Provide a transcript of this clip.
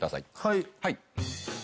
はい。